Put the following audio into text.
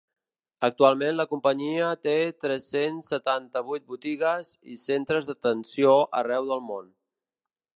Actualment la companyia té tres-cents setanta-vuit botigues i centres d’atenció arreu del món.